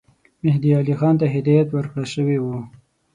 مهدي علي خان ته هدایت ورکړه شوی وو.